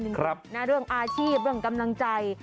เรื่องอาชีพเรื่องกำลังใจ